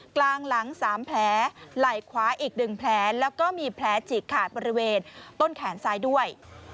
กลางหลัง๓แผลไหล่ขวาอีก๑แผลแล้วก็มีแผลฉีกขาดบริเวณต้นแขนซ้ายด้วย